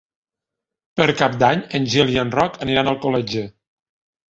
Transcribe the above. Per Cap d'Any en Gil i en Roc aniran a Alcoletge.